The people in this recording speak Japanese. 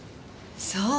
そう。